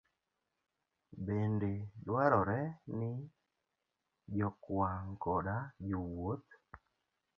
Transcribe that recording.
Bende dwarore ni jokwang' koda jowuoth